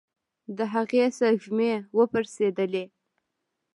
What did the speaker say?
د هغې سږمې وپړسېدلې.